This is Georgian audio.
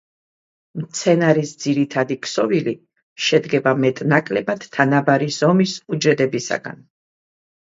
მცენარის ძირითადი ქსოვილი, შედგება მეტ-ნაკლებად თანაბარი ზომის უჯრედებისაგან.